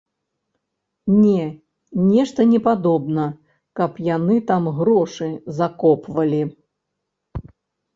Не, нешта не падобна, каб яны там грошы закопвалі.